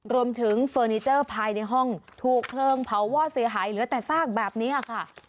เฟอร์นิเจอร์ภายในห้องถูกเพลิงเผาวอดเสียหายเหลือแต่ซากแบบนี้ค่ะ